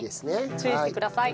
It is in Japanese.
注意してください。